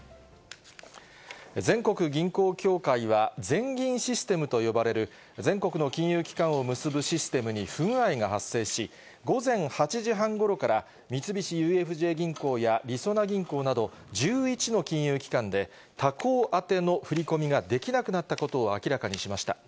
全国銀行協会は、全銀システムと呼ばれる全国の金融機関を結ぶシステムに不具合が発生し、午前８時半ごろから、三菱ＵＦＪ銀行やりそな銀行など、１１の金融機関で、他行宛ての振り込みができなくなったことを明らかにしました。